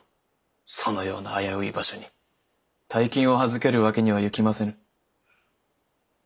そのような危うい場所に大金を預けるわけにはいきませぬ。